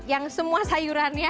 yang semua sayurannya